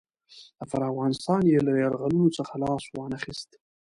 پر افغانستان یې له یرغلونو څخه لاس وانه خیست.